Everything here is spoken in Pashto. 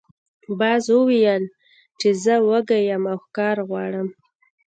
باز وویل چې زه وږی یم او ښکار غواړم.